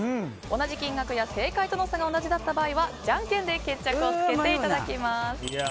同じ金額や正解との差が同じだった場合はじゃんけんで決着をつけていただきます。